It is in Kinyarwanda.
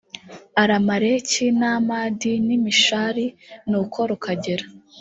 alameleki na amadi n i mishali nuko rukagera